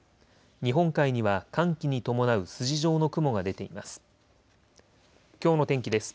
日本海には寒気に伴う筋状の雲が出ています。